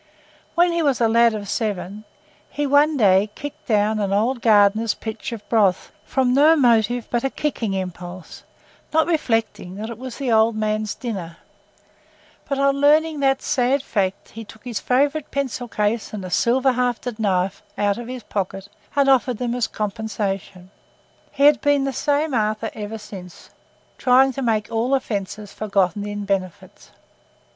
When he was a lad of seven, he one day kicked down an old gardener's pitcher of broth, from no motive but a kicking impulse, not reflecting that it was the old man's dinner; but on learning that sad fact, he took his favourite pencil case and a silver hafted knife out of his pocket and offered them as compensation. He had been the same Arthur ever since, trying to make all offences forgotten in benefits.